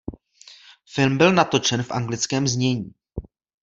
Film byl natočen v anglickém znění.